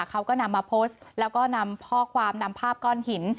เขาก็นำมาโพสต์แล้วก็นำข้อความนำภาพก้อนหิน